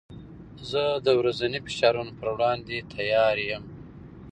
زه د ورځني فشارونو پر وړاندې تیار یم.